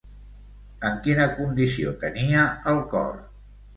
En quina condició tenia el cor?